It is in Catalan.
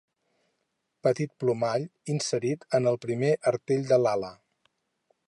Petit plomall inserit en el primer artell de l'ala.